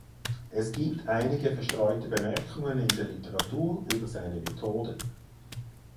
Es gibt einige verstreute Bemerkungen in der Literatur über seine Methoden.